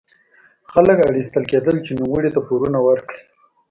خلک اړ ایستل کېدل چې نوموړي ته پورونه ورکړي.